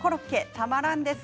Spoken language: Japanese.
たまらんです。